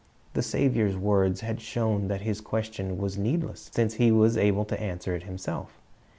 The Saviour's words had shown that his question was needless, since he was able to answer it himself.